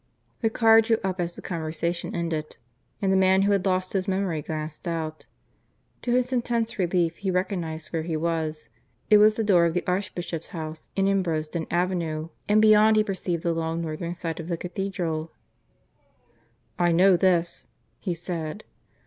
The car drew up as the conversation ended; and the man who had lost his memory glanced out. To his intense relief, he recognized where he was. It was the door of Archbishop's House, in Ambrosden Avenue; and beyond he perceived the long northern side of the Cathedral. "I know this," he said.